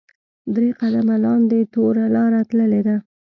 درې قدمه لاندې توره لاره تللې ده.